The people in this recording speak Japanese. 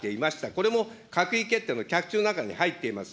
これも閣議決定の脚注の中に入っています。